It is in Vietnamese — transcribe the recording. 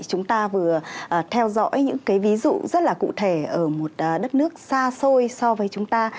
chúng ta vừa theo dõi những cái ví dụ rất là cụ thể ở một đất nước xa xôi so với chúng ta